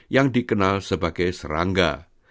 yang dikenal sebagai serangga